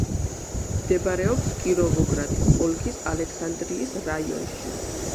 მდებარეობს კიროვოგრადის ოლქის ალექსანდრიის რაიონში.